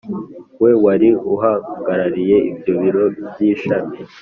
we wari uhagarariye ibyo biro by ishami